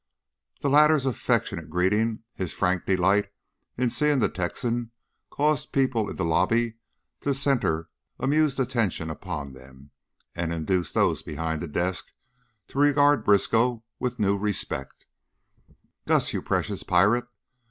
The latter's affectionate greeting, his frank delight at seeing the Texan, caused people in the lobby to center amused attention upon them, and induced those behind the desk to regard Briskow with new respect. "Gus! You precious pirate!